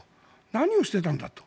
何をしてたんだと。